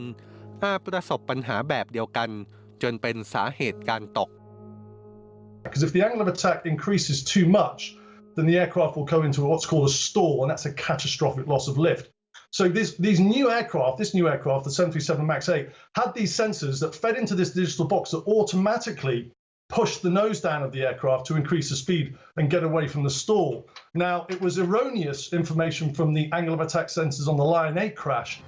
หากประสบปัญหาแบบเดียวกันจนเป็นสาเหตุการตก